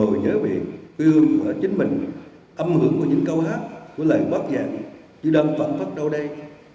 hôm qua trên đường lên miền tây với sứ nghệ tôi bồi hồi nhớ về ương và chính mình âm hưởng của những câu hát của lời bác giảng như đang văn phát đâu đây